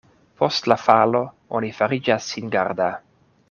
Post la falo oni fariĝas singarda.